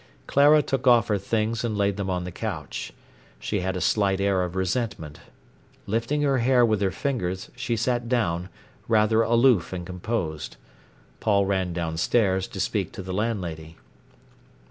Clara took off her things and laid them on the couch. She had a slight air of resentment. Lifting her hair with her fingers, she sat down, rather aloof and composed. Paul ran downstairs to speak to the landlady.